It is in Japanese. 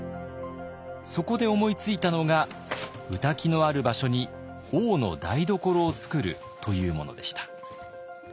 そこで思いついたのが御嶽のある場所に王の台所をつくるというものでした。